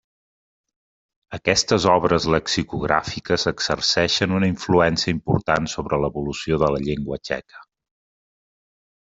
Aquestes obres lexicogràfiques exerceixen una influència important sobre l'evolució de la llengua txeca.